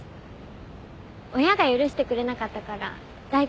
親が許してくれなかったから大学行きましたけど。